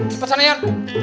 cepat sana yan